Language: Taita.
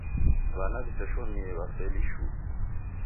W'ana w'iseshomie w'afeli shuu.